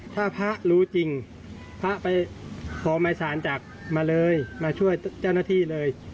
ถ้าพระรู้จริงพระไปขอหมายสารจากมาเลยมาช่วยเจ้าหน้าที่เลย